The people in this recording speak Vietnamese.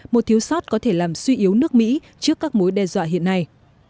một thiếu sót có thể làm suy yếu nước mỹ trước các mối đe dọa hiện nay